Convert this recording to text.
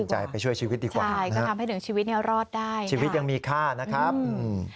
ตัดสินใจไปช่วยชีวิตดีกว่านะครับใช่ก็ทำให้ถึงชีวิตรอดได้ชีวิตยังมีค่านะครับ